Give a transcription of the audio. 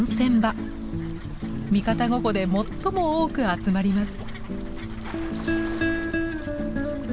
三方五湖で最も多く集まります。